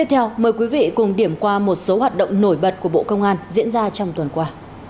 hãy cùng điểm qua một số hoạt động nổi bật của bộ công an diễn ra trong tuần qua